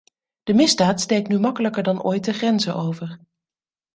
De misdaad steekt nu makkelijker dan ooit de grenzen over.